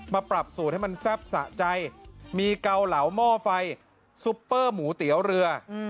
ปรับสูตรให้มันแซ่บสะใจมีเกาเหลาหม้อไฟซุปเปอร์หมูเตี๋ยวเรือ